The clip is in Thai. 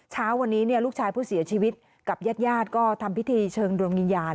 เช้าวันนี้ลูกชายผู้เสียชีวิตกับญาติก็ทำพิธีเชิญดวงวิญญาณ